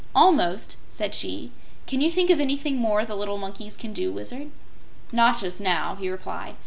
"Almost," said she. "Can you think of anything more the little monkeys can do, Wizard?" "Not just now," he replied.